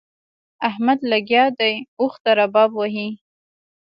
احمد لګيا دی؛ اوښ ته رباب وهي.